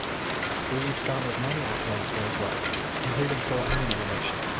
Greaves garnered many accolades for his work, including four Emmy nominations.